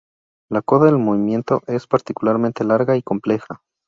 La coda del movimiento es particularmente larga y compleja.